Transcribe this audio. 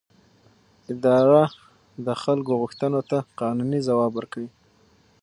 اداره د خلکو غوښتنو ته قانوني ځواب ورکوي.